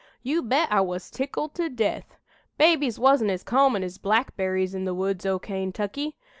"You bet I was tickled to death. Babies wasn't as common as blackberries in the woods o' Kaintucky.